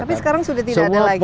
tapi sekarang sudah tidak ada lagi